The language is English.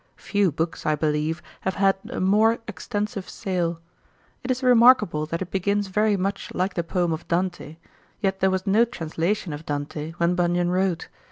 Few books, I believe, have had a more extensive sale. It is remarkable, that it begins very much like the poem of Dante; yet there was no translation of Dante when Bunyan wrote.